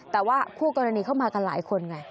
แต่ว่าคู่กรณีเข้ามากันหลายคนไง